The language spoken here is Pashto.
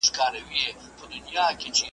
ما ته اجازه راکړئ چي بېدېدم.